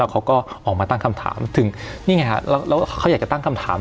เขาก็ออกมาตั้งคำถามถึงนี่ไงฮะแล้วเขาอยากจะตั้งคำถาม